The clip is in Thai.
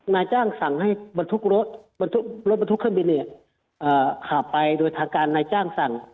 นายจ้างสั่งให้บรรทุกรถบรรทุกเครื่องบินเนี่ยขับไปโดยทางการนายจ้างสั่ง